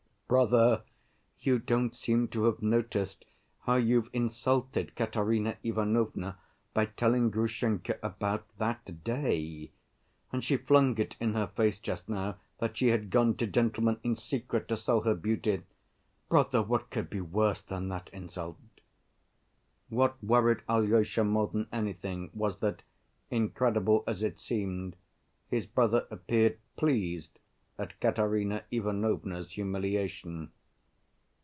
"Brother, you don't seem to have noticed how you've insulted Katerina Ivanovna by telling Grushenka about that day. And she flung it in her face just now that she had gone to gentlemen in secret to sell her beauty! Brother, what could be worse than that insult?" What worried Alyosha more than anything was that, incredible as it seemed, his brother appeared pleased at Katerina Ivanovna's humiliation.